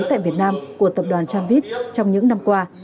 tại việt nam của tập đoàn tramvit trong những năm qua